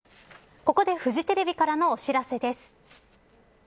ここでフジテレビからのお知らせです。